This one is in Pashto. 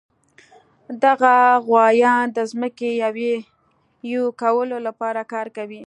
دغه غوایان د ځمکې یوې کولو لپاره کار کوي.